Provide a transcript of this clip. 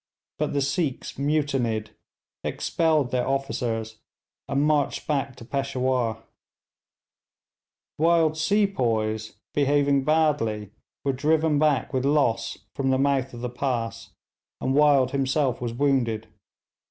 But the Sikhs mutinied, expelled their officers, and marched back to Peshawur; Wild's sepoys, behaving badly, were driven back with loss from the mouth of the pass, and Wild himself was wounded.